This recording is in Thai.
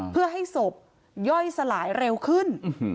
เพื่อให้ศพย่อยสลายเร็วขึ้น